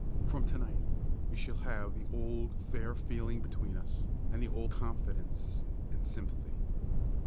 From to night we shall have the old fair feeling between us, and the old confidence and sympathy."